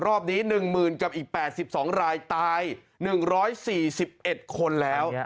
รอบนี้๑๐๐๐กับอีก๘๒รายตาย๑๔๑คนแล้ว